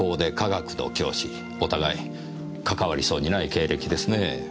お互いかかわりそうにない経歴ですねぇ。